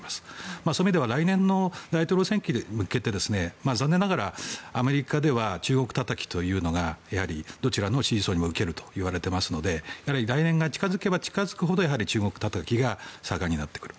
そういう意味では来年の大統領選挙に向けて残念ながらアメリカでは中国たたきというのがどちらの支持層にも受けるといわれていますので来年が近付けば近付くほど中国たたきが盛んになってくる。